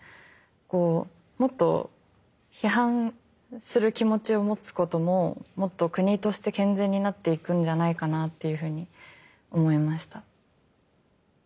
こうもっと批判する気持ちを持つことももっと国として健全になっていくんじゃないかなっていうふうに思いました。